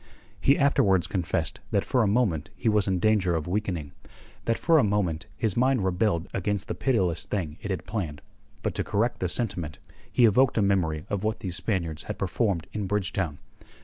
He afterwards confessed that for a moment he was in danger of weakening, that for a moment his mind rebelled against the pitiless thing it had planned. But to correct the sentiment he evoked a memory of what these Spaniards had performed in Bridgetown.